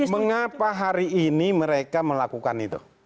mengapa hari ini mereka melakukan itu